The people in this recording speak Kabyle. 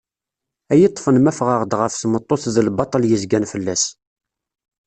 Ad iyi-ṭfen ma fɣeɣ-d ɣef tmeṭṭut d lbaṭel yezgan fell-as.